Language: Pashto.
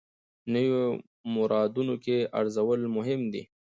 نویو موردونو کې ارزول مهم دي.